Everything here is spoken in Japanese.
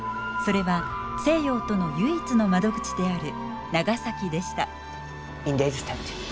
それは西洋との唯一の窓口である長崎でした。